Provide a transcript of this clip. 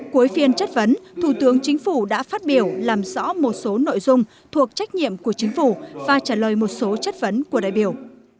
cuối phiên chất vấn thủ tướng chính phủ đã phát biểu làm rõ một số nội dung thuộc trách nhiệm của chính phủ và trả lời một số chất vấn của đại biểu